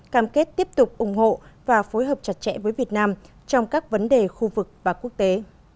cam kết tiếp tục ủng hộ và phối hợp chặt chẽ với việt nam trong các vấn đề khu vực và quốc tế